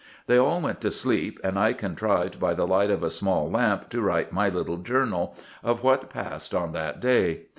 They all went to sleep, and I contrived by the light of a small lamp to write my little journal, of what passed on that day.